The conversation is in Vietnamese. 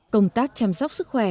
công tác chăm sóc sức khỏe